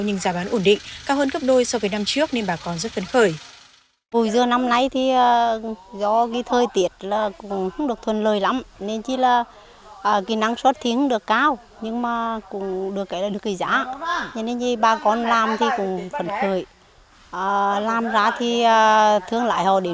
nhưng giá bán ổn định cao hơn gấp đôi so với năm trước nên bà con rất phấn khởi